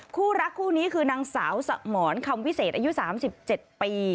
คู่รักคู่นี้คือนางสาวสมรคำวิเศษอายุ๓๗ปี